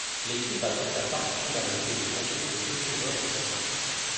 L'équipe a donc la particularité de ne compter que deux coureurs en son sein.